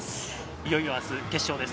いよいよあす決勝です。